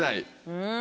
うん。